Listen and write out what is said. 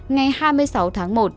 ngày hai mươi sáu tháng một